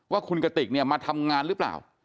ว่าคุณกติกเนี่ยมาทำงานหรือเปล่า